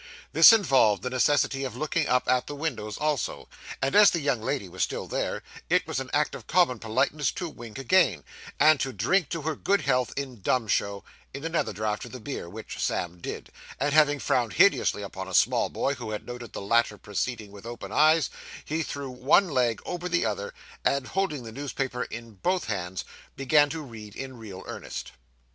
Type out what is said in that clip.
This involved the necessity of looking up at the windows also; and as the young lady was still there, it was an act of common politeness to wink again, and to drink to her good health in dumb show, in another draught of the beer, which Sam did; and having frowned hideously upon a small boy who had noted this latter proceeding with open eyes, he threw one leg over the other, and, holding the newspaper in both hands, began to read in real earnest.